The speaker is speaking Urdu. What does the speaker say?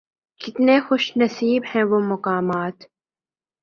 کتنے خوش نصیب ہیں وہ مقامات